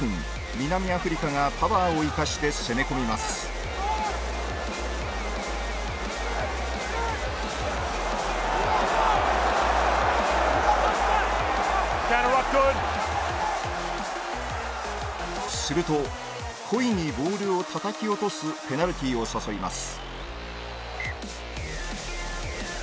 南アフリカがパワーを生かして攻め込みますすると故意にボールをたたき落とすペナルティーを誘います